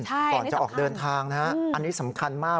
ก่อนจะออกเดินทางนะฮะอันนี้สำคัญมาก